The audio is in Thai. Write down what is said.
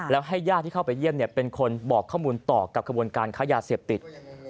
แล้วให้ญาติที่เข้าไปเยี่ยมเป็นคนบอกข้อมูลต่อกับขบวนการค้ายาเสพติด